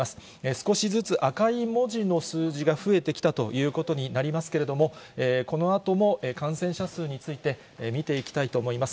少しずつ赤い文字の数字が増えてきたということになりますけれども、このあとも感染者数について、見ていきたいと思います。